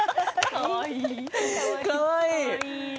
かわいい。